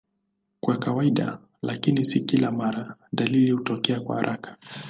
Kwa kawaida, lakini si kila mara, dalili hutokea haraka.